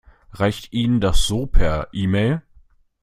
Reicht Ihnen das so per E-Mail?